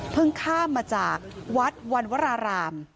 เพิ่งข้ามมาจากวัดวรราราม